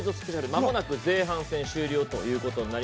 まもなく前半が終了です。